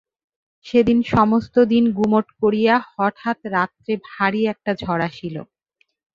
সেদিন সমস্ত দিন গুমট করিয়া হঠাৎ রাত্রে ভারী একটা ঝড় আসিল।